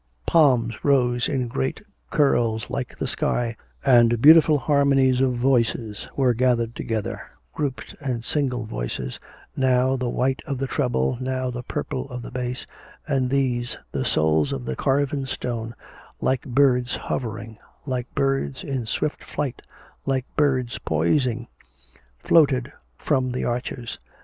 Palms rose in great curls like the sky, and beautiful harmonies of voices were gathered together, grouped and single voices, now the white of the treble, now the purple of the bass, and these, the souls of the carven stone, like birds hovering, like birds in swift flight, like birds poising, floated from the arches.